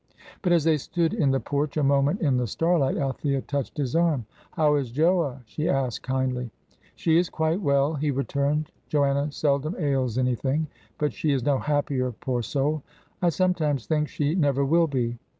But as they stood in the porch a moment in the starlight, Althea touched his arm. "How is Joa?" she asked, kindly. "She is quite well!" he returned. "Joanna seldom ails anything; but she is no happier, poor soul. I sometimes think she never will be."